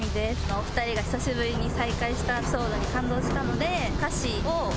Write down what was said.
お二人が久しぶりに再会したエピソードに感動したので。